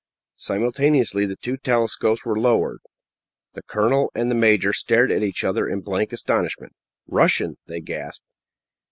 Simultaneously the two telescopes were lowered. The colonel and the major stared at each other in blank astonishment. "Russian!" they gasped.